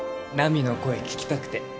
奈未の声聞きたくて